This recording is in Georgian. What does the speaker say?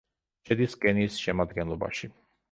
შედის კენიის შემადგენლობაში.